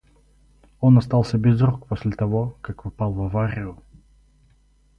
Он остался без рук после того, как попал в аварию.